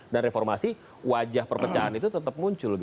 reformasi wajah perpecahan itu tetap muncul